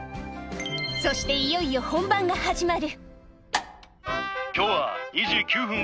そしていよいよ本番が始まる。